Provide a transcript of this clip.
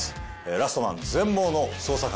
「ラストマン−全盲の捜査官−」